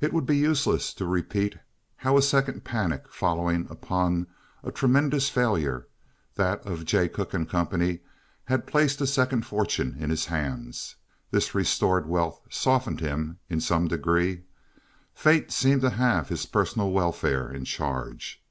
It would be useless to repeat how a second panic following upon a tremendous failure—that of Jay Cooke & Co.—had placed a second fortune in his hands. This restored wealth softened him in some degree. Fate seemed to have his personal welfare in charge.